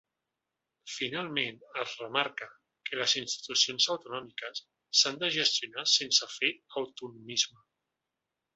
Finalment, es remarca que les institucions autonòmiques “s’han de gestionar sense fer autonomisme”.